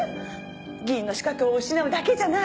議員の資格を失うだけじゃない。